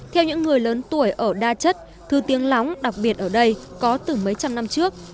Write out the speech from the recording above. theo những người lớn tuổi ở đa chất thứ tiếng lóng đặc biệt ở đây có từ mấy trăm năm trước